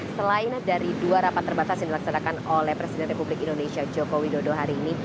selain dari dua rapat terbatas yang dilaksanakan oleh presiden republik indonesia joko widodo hari ini